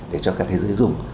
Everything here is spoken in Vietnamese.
để cho cả thế giới dùng